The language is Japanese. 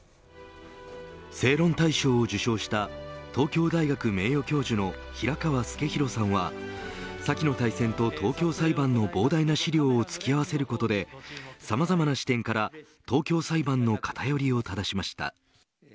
正論大賞を受賞した東京大学名誉教授の平川すけ弘さんは先の大戦と東京裁判の膨大な資料をつき合わせることでさまざまな視点から東京裁判の偏りをただしました。